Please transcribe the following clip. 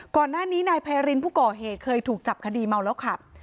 ก่อนหน้านี้นายไพรินผู้ก่อเหตุเคยถูกจับคดีเมาแล้วขับ